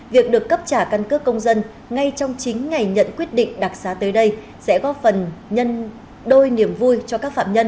việc được cấp trả căn cước công dân ngay trong chính ngày nhận quyết định đặc xá tới đây sẽ góp phần nhân đôi niềm vui cho các phạm nhân